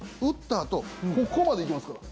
あとここまで行きますから。